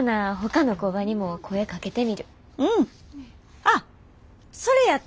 あっそれやったら。